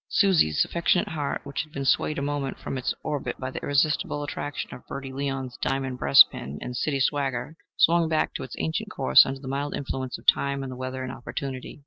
Susie's affectionate heart, which had been swayed a moment from its orbit by the irresistible attraction of Bertie Leon's diamond breastpin and city swagger, swung back to its ancient course under the mild influence of time and the weather and opportunity.